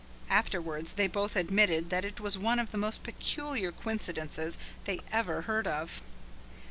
Afterwards they both admitted that it was one of the most peculiar coincidences they ever heard of.